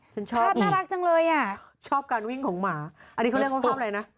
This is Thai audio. ฉันชอบภาพน่ารักจังเลยอ่ะชอบการวิ่งของหมาอันนี้เขาเรียกว่าภาพอะไรนะ